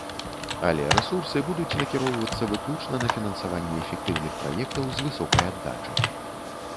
Але рэсурсы будуць накіроўвацца выключна на фінансаванне эфектыўных праектаў, з высокай аддачай.